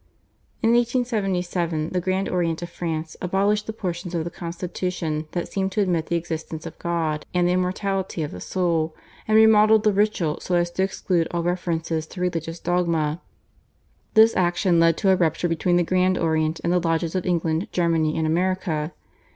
In 1877 the Grand Orient of France abolished the portions of the constitution that seemed to admit the existence of God and the immortality of the soul, and remodelled the ritual so as to exclude all references to religious dogma. This action led to a rupture between the Grand Orient and the lodges of England, Germany, and America.